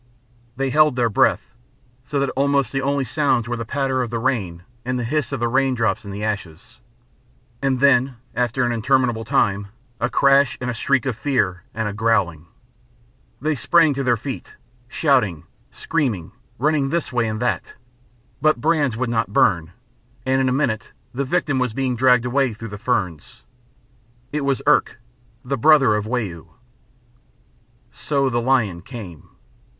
They held their breath, so that almost the only sounds were the patter of the rain and the hiss of the raindrops in the ashes. And then, after an interminable time, a crash, and a shriek of fear, and a growling. They sprang to their feet, shouting, screaming, running this way and that, but brands would not burn, and in a minute the victim was being dragged away through the ferns. It was Irk, the brother of Wau. So the lion came.